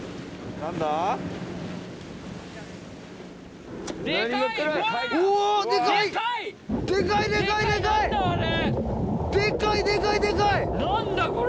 何だこれ！